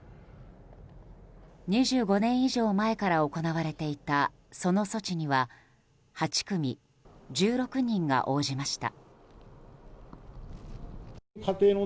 ２５年以上前から行われていたその措置には８組１６人が応じました。